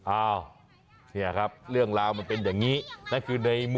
อ้าวนี่แหละครับเรื่องราวมันเป็นอย่างนี้